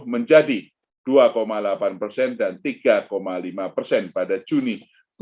menjadi dua delapan persen dan tiga lima persen pada juni dua ribu dua puluh